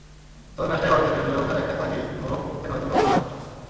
তবে ম্যাচটায় বারুদ থাকলে জ্বলে ওঠার একটা তাগিদ অনুভব করতেন হয়তো লঙ্কানরাও।